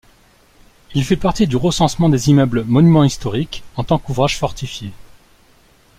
Il fait partie du recensement des immeubles Monuments Historiques en tant qu'ouvrage fortifié.